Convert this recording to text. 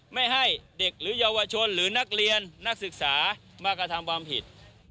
ไม่ให้เด็กหรือเยาวชนหรือนักเรียนนักศึกษามากระทำความผิด